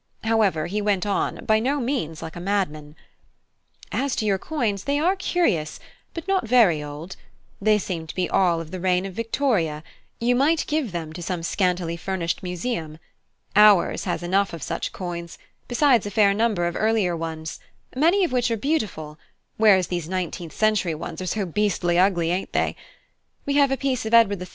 However, he went on by no means like a madman: "As to your coins, they are curious, but not very old; they seem to be all of the reign of Victoria; you might give them to some scantily furnished museum. Ours has enough of such coins, besides a fair number of earlier ones, many of which are beautiful, whereas these nineteenth century ones are so beastly ugly, ain't they? We have a piece of Edward III.